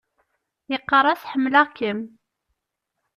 Yeqqar-as: Ḥemmleɣ-kem .